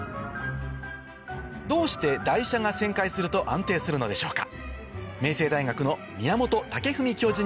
どうして台車が旋回すると安定するのでしょうか？